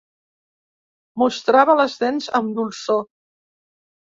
Mostrava les dents amb dolçor.